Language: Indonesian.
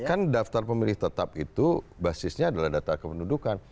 kan daftar pemilih tetap itu basisnya adalah data kependudukan